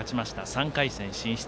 ３回戦進出。